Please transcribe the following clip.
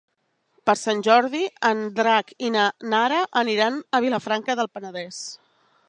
Per Sant Jordi en Drac i na Nara aniran a Vilafranca del Penedès.